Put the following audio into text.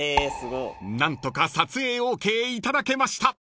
［何とか撮影ＯＫ頂けました］